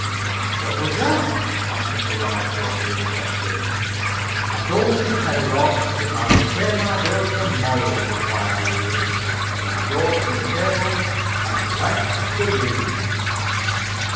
"What was that?" asked Mr. Whitechoker, interested. "I told Mrs. Pedagog that I would pay my bill to morrow," replied the Idiot, as he rose from the table and left the room.